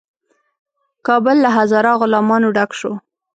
کابل له هزاره غلامانو ډک شو.